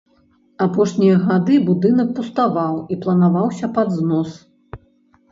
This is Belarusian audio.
Апошнія гады будынак пуставаў і планаваўся пад знос.